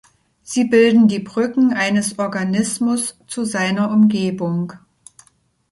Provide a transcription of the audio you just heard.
Sie bilden die Brücken eines Organismus zu seiner Umgebung.